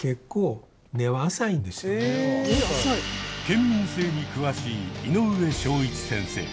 県民性に詳しい井上章一先生。